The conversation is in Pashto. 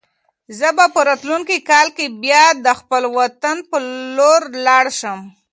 زه به په راتلونکي کال کې بیا د خپل وطن په لور لاړ شم.